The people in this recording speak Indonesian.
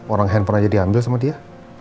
orang handphone aja diambil sama dia